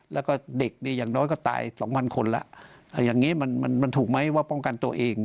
แล้วก็เด็กอย่างน้อยก็ตาย๒๐๐๐คนละอย่างนี้มันถูกไหมว่าป้องกันตัวเอง